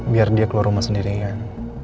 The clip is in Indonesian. biar dia keluar rumah sendirian